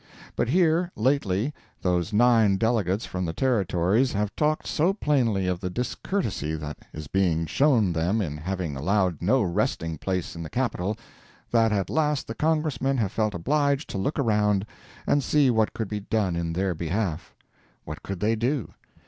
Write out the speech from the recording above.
But here lately those nine delegates from the Territories have talked so plainly of the discourtesy that is being shown them in having allowed no resting place in the Capitol, that at last the Congressmen have felt obliged to look around and see what could be done in their behalf. What could they do?